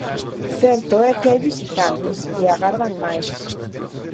Certo é que hai visitantes, e agardan máis.